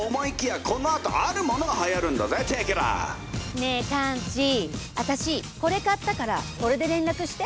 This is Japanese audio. ねえカンチあたしこれ買ったからこれで連絡して。